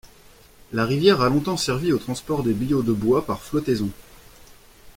La rivière a longtemps servi au transport des billots de bois par flottaison.